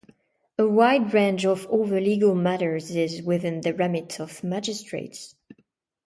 A wide range of other legal matters is within the remit of magistrates.